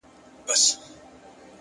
څه وکړمه لاس کي مي هيڅ څه نه وي،